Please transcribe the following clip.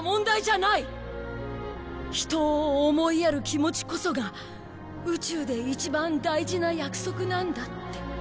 人を思いやる気持ちこそが宇宙で一番大事な約束なんだって。